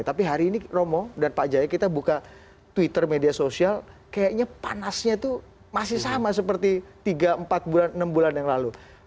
tapi hari ini romo dan pak jaya kita buka twitter media sosial kayaknya panasnya itu masih sama seperti tiga empat bulan enam bulan yang lalu